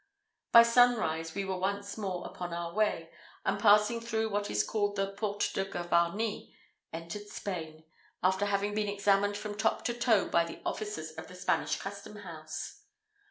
By sunrise we were once more upon our way, and passing through what is called the Porte de Gavarnie, entered Spain, after having been examined from top to toe by the officers of the Spanish custom house.